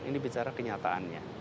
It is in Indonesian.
ini bicara kenyataannya